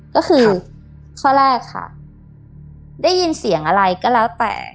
ก็คือข้อแรกค่ะได้ยินเสียงอะไรก็แล้วแต่